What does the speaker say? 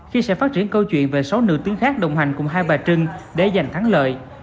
khi sẽ phát triển câu chuyện về sáu nữ tướng khác đồng hành cùng hai bà trưng để giành thắng lợi